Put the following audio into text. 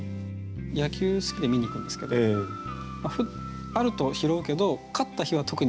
野球好きで見に行くんですけどあると拾うけど勝った日は特にゴミ拾って帰りますね。